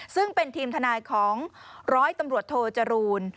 ซึ่งเป็นทีมทนายของร้อยตำรวจโทจรูล